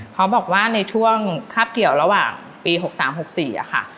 เขาบอกว่าในช่วงคาบเกี่ยวระหว่างปี๖๓๖๔ค่ะ